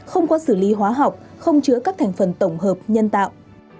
không có xử lý hóa học không chứa các thành phần tổng hợp nhân tạo